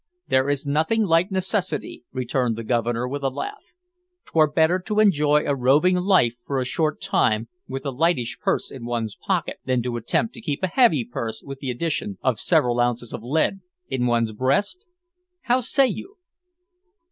"There is nothing like necessity," returned the Governor, with a laugh. "'Twere better to enjoy a roving life for a short time with a lightish purse in one's pocket, than to attempt to keep a heavy purse with the addition of several ounces of lead in one's breast! How say you?"